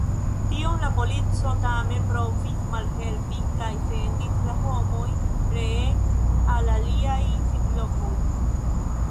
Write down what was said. Tion la polico tamen provis malhelpi kaj sendis la homoj reen al iliaj sidlokoj.